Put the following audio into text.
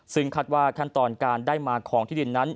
ซึ่งคาดว่าขั้นตอนการได้มาของที่ดินนั้น